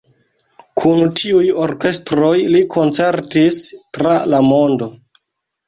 Kun tiuj orkestroj li koncertis tra la mondo.